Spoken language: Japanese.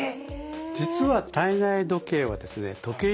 実は体内時計はですね時計